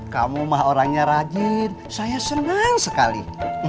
kamu mah orangnya rajin saya senang sekali